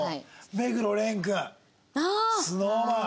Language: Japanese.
目黒蓮君ＳｎｏｗＭａｎ。